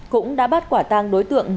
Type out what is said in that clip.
cũng đã bắt quả tàng đối tượng